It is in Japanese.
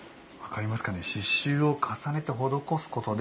刺しゅうを重ねて施すことで